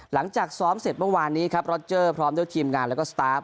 หลังจากซ้อมเสร็จเมื่อวานนี้ครับรอเจอร์พร้อมด้วยทีมงานแล้วก็สตาร์ฟ